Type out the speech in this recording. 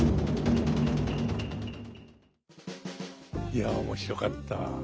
いや面白かった。